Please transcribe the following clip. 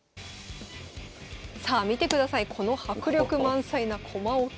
さあ見てくださいこの迫力満載な駒音。